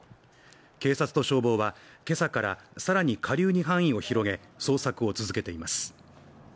警察と消防はけさからさらに下流に範囲を広げ捜索を続けています。